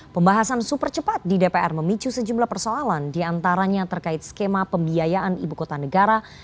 pembahasan super cepat di dpr memicu sejumlah persoalan diantaranya terkait skema pembiayaan ibu kota negara